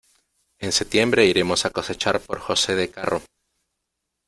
En septiembre iremos a cosechar por José de Carro.